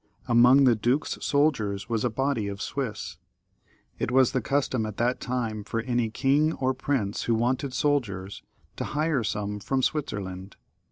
Amo6ff the duke's soldiers 'was a body of Swiss. It was the custom at that time for auy king or prince who wanted soldiers to hire some from Switzerland.